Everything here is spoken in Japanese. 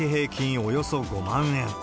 およそ５万円。